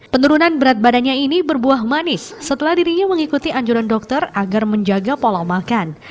penurunan berat badannya ini berbuah manis setelah dirinya mengikuti anjuran dokter agar menjaga pola makan